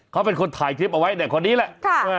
เขาเป็นคนถ่ายคลิปเอาไว้เนี่ยคนนี้แหละใช่ไหม